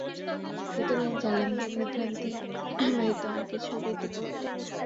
সুতরাং জালিমদের বিভ্রান্তি ব্যতীত আর কিছুই বৃদ্ধি করো না।